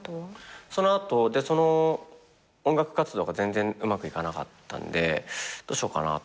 その後音楽活動が全然うまくいかなかったんでどうしようかなと思ってて。